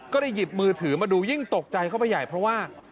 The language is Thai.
ก็เลยหยิบมือถือมาดูยิ่งตกใจเข้าไปใหญ่เพราะว่า